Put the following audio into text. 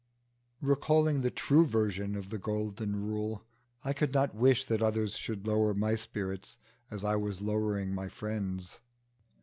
Recalling the true version of the golden rule, I could not wish that others should lower my spirits as I was lowering my friend's.